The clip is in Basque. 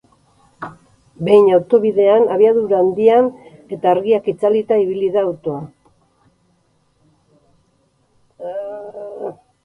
Behin autobidean, abiadura handian eta argiak itzalita ibili da autoa.